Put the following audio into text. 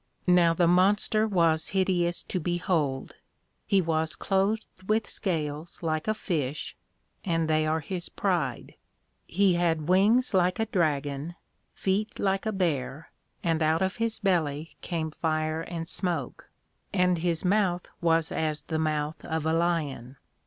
Now the Monster was hideous to behold; he was cloathed with scales like a Fish (and they are his pride); he had wings like a Dragon, feet like a Bear, and out of his belly came Fire and Smoke; and his mouth was as the mouth of a Lion.